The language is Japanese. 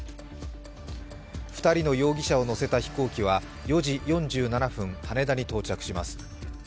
２人の容疑者を乗せた飛行機は４時４７分、羽田に到着します。